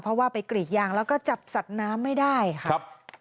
เพราะว่าไปกรีดยางแล้วก็จับสัตว์น้ำไม่ได้ค่ะ